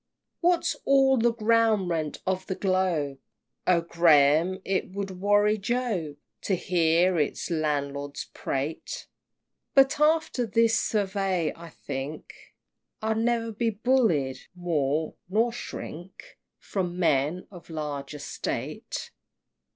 XXIX. What's all the ground rent of the globe? Oh, Graham, it would worry Job To hear its landlords prate! But after this survey, I think I'll ne'er be bullied more, nor shrink From men of large estate!